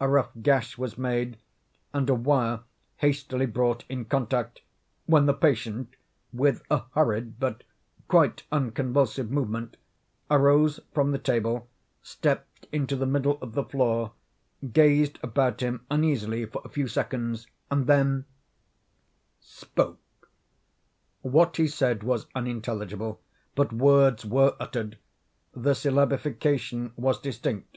A rough gash was made, and a wire hastily brought in contact, when the patient, with a hurried but quite unconvulsive movement, arose from the table, stepped into the middle of the floor, gazed about him uneasily for a few seconds, and then—spoke. What he said was unintelligible, but words were uttered; the syllabification was distinct.